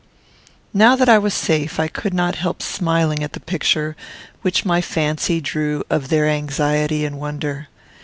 Now that I was safe I could not help smiling at the picture which my fancy drew of their anxiety and wonder.